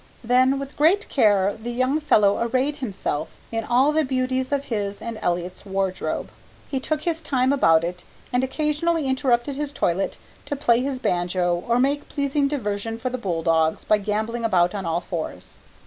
Then with great care the young fellow arrayed himself in all the beauties of his and Elliott's wardrobe. He took his time about it, and occasionally interrupted his toilet to play his banjo or make pleasing diversion for the bull dogs by gambling about on all fours.